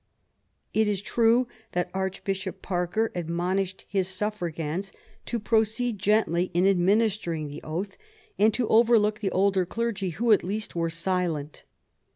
It is true that Archbishop Parker admonished his suffragans to proceed gently in administering the oath, and to overlook the older clergy, who, at least, were silent.